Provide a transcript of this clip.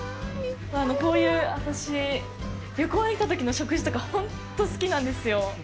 こういう、私、旅行に来たときの食事とか本当好きなんですよ。